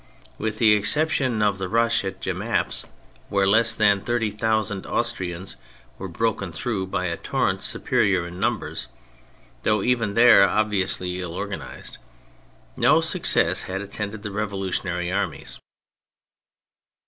With the exception of the rush at Jemappes, where less than thirty thousand Austrians were broken through by a torrent superior in numbers (though even there ob viously ill organised), no success had attended the revolutionary armies.